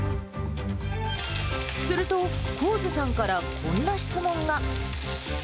すると、幸津さんからこんな質問が。